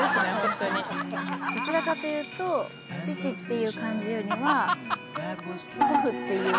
どちらかというと、父っていう感じよりは、祖父っていう。